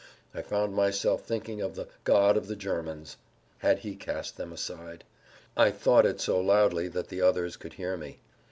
I found myself thinking of the "God of the Germans." Had He cast them aside? I "thought" it so loudly that the others could hear me.